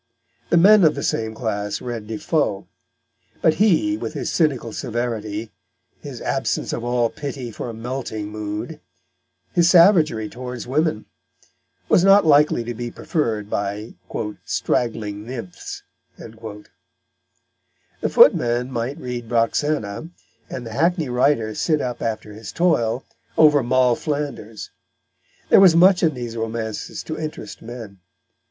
The men of the same class read Defoe; but he, with his cynical severity, his absence of all pity for a melting mood, his savagery towards women, was not likely to be preferred by "straggling nymphs." The footman might read Roxana, and the hackney writer sit up after his toil over Moll Flanders; there was much in these romances to interest men.